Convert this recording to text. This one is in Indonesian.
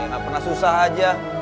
nggak pernah susah aja